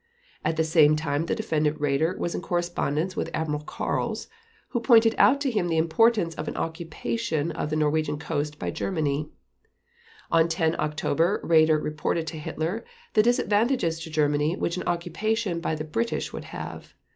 At the same time the Defendant Raeder was in correspondence with Admiral Karls, who pointed out to him the importance of an occupation of the Norwegian coast by Germany. On 10 October Raeder reported to Hitler the disadvantages to Germany which an occupation by the British would have.